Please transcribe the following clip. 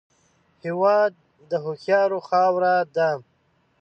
هېواد د هوښیارو خاوره ده